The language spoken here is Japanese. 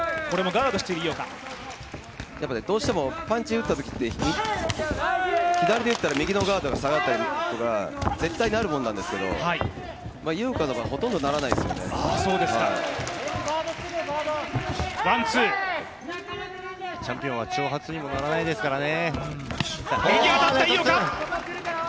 どうしてもパンチ打ったとき、左で打ったら右のガードが下がるとか絶対なるものなんですけど、井岡の場合、ほとんどならないんですよねチャンピオンは挑発にも乗らないですからね。